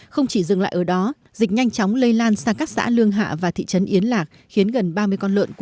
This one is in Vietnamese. không chỉ dừng lại ở đó dịch nhanh chóng lây lan sang các xã lương hạ và thị trấn yến lạc